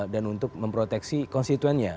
dan untuk memproteksi konstituennya